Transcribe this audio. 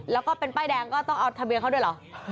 แล้วก็เป็นป้ายแดงก็ต้องเอาทะเบียนเขาด้วยเหรอ